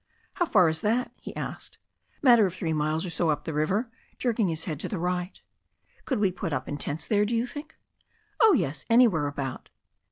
"How far is that?" he asked. "Matter of three miles or so up the river," jerking his head to the right. "Could we put up tents there, do you think?" "Oh, yes, anywhere about."